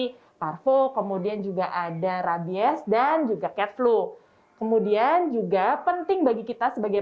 seperti parvo kemudian juga ada rabies dan juga cat flu kemudian juga penting bagi kita sebagai